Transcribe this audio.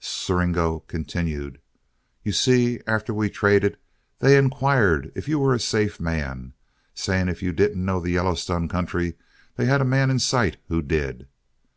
Siringo continued: "You see, after we traded, they inquired if you were a safe man, saying if you didn't know the Yellowstone country, they had a man in sight who did.